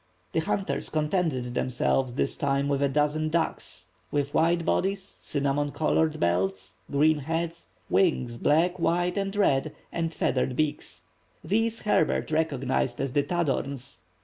The hunters contented themselves this time with a dozen ducks, with white bodies, cinnamon colored belts, green heads, wings black, white, and red, and feathered beaks. These Herbert recognized as the "Tadorns."